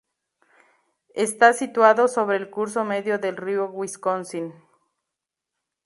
Está situado sobre el curso medio del río Wisconsin.